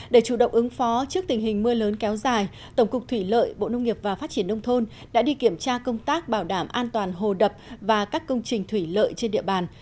để chủ động ứng phó trước tình hình mưa lớn kéo dài tổng cục thủy lợi bộ nông nghiệp và phát triển nông thôn đã đi kiểm tra công tác bảo đảm an toàn hồ đập và các công trình thủy lợi trên địa bàn